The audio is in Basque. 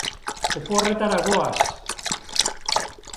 Oporretara goaz!